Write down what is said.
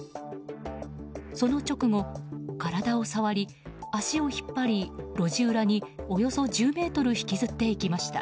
その直後、体を触り足を引っ張り路地裏におよそ１０ｍ引きずっていきました。